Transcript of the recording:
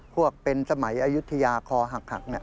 พวกเป็นสมัยอายุทยาคอหัก